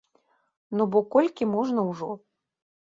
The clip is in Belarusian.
Ну бо колькі можна ўжо.